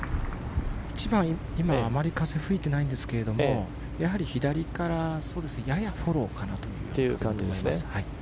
１番はあまり風は吹いていないんですけどやはり左からややフォローかなという感じだと思います。